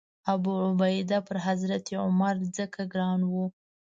ابوعبیده پر حضرت عمر ځکه ګران و.